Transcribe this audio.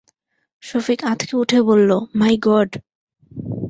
সফিক আঁৎকে উঠে বলল, মাই গড়!